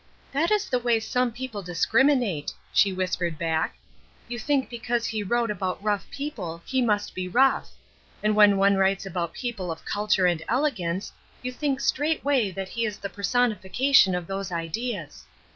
"That is the way some people discriminate," she whispered back. "You think because he wrote about rough people he must be rough; and when one writes about people of culture and elegance you think straightway that he is the personification of those ideas.